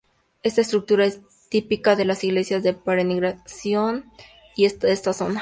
Esta estructura es típica de las iglesias de peregrinación de esta zona.